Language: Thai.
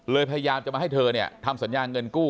พยายามจะมาให้เธอเนี่ยทำสัญญาเงินกู้